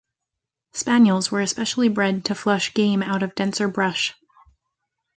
Spaniels were especially bred to flush game out of denser brush.